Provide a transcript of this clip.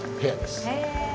へえ。